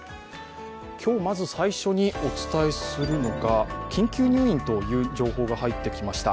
今日、まず最初にお伝えするのが緊急入院という情報が入ってきました。